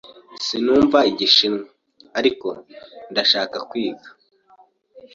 Sinumva Igishinwa, ariko ndashaka kwiga.